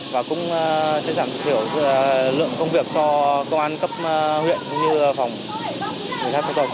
và cũng sẽ giảm thiểu lượng công việc cho công an cấp huyện cũng như phòng người thân của tôi